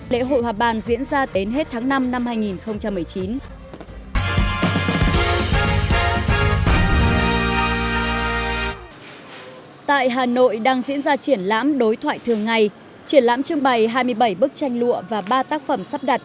lễ hội hòa bàn diễn ra đến hết tháng năm năm hai nghìn một mươi chín